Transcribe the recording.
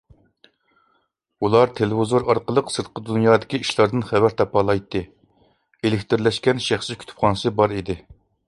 ئۇلار تېلېۋىزور ئارقىلىق سىرتقى دۇنيادىكى ئىشلاردىن خەۋەر تاپالايتتى ئېلېكترلەشكەن شەخسىي كۇتۇپخانىسى بار ئىدى.